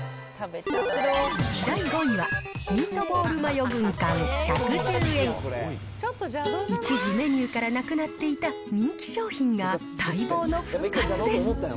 第５位は、ミートボールマヨ軍艦、１１０円。一時、メニューからなくなっていた人気商品が待望の復活です。